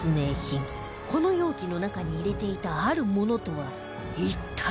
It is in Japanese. この容器の中に入れていたあるものとは、一体？